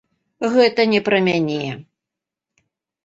Гэта не пра мяне.